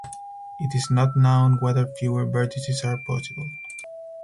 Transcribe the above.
It is not known whether fewer vertices are possible.